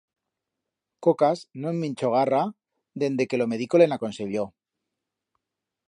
Cocas, no'n minchó garra dende que lo medico le'n aconselló.